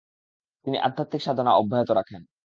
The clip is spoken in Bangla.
তিনি আধ্যাত্মিক সাধনা অব্যাহত রাখেন।